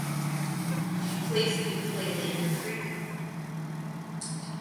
She plays the ukulele in her free time.